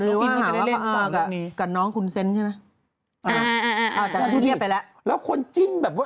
อืมอืมอืมอืมอืมอืมอืมอืมอืม